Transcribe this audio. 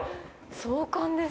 壮観です。